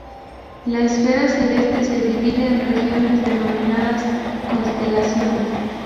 La esfera celeste se divide en regiones denominadas constelaciones.